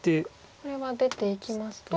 これは出ていきますと。